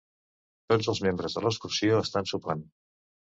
Tots els membres de l'excursió estan sopant.